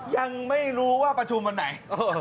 ยังไม่รู้ว่าประชุมวันไหน